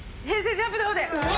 ＪＵＭＰの方で。